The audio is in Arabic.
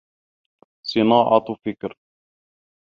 صِنَاعَةٌ فِكْرٍ